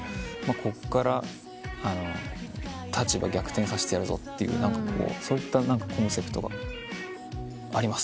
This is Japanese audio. こっから立場逆転させてやるぞっていうそういったコンセプトがありますね。